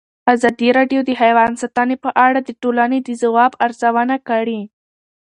ازادي راډیو د حیوان ساتنه په اړه د ټولنې د ځواب ارزونه کړې.